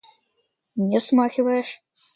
Не смахиваешь.